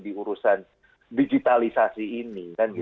diurusan digitalisasi ini